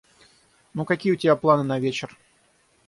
Ну какие у тебя планы на вечер?